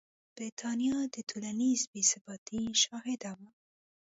برېټانیا د ټولنیزې بې ثباتۍ شاهده وه.